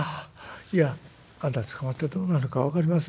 いやあんた捕まったらどうなるか分かります？